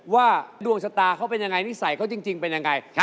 ว่าดวงชะตาเขาเป็นยังไงนิสัยเขาจริงเป็นยังไง